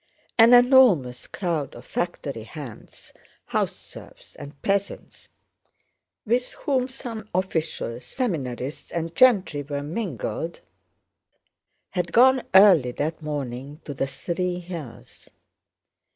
An enormous crowd of factory hands, house serfs, and peasants, with whom some officials, seminarists, and gentry were mingled, had gone early that morning to the Three Hills.